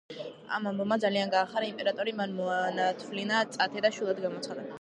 ამ ამბავმა ძალიან გაახარა იმპერატორი, მან მოანათვლინა წათე და შვილად გამოაცხადა.